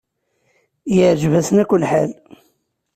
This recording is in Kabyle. Yeɛjeb-asen akk lḥal.